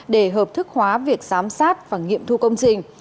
để hợp thức hóa việc giám sát và nghiệm thu công trình